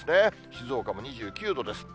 静岡も２９度です。